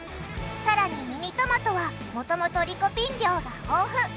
さらにミニトマトは元々リコピン量が豊富。